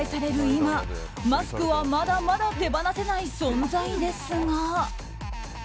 今マスクは、まだまだ手放せない存在ですが。